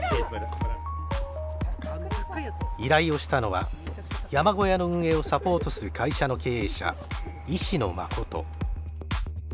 依頼をしたのは山小屋の運営をサポートする会社の経営者石野真。